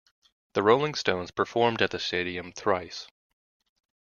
The Rolling Stones performed at the stadium thrice.